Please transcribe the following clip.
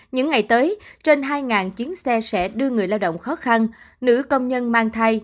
những ngày tới trên hai chuyến xe sẽ đưa người lao động khó khăn nữ công nhân mang thai